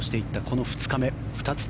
この２日目２つ